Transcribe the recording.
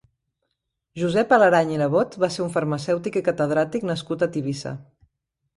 Josep Alerany i Nebot va ser un farmacèutic i catedràtic nascut a Tivissa.